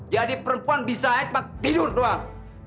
jadi perempuan bisa ed maka tidur doang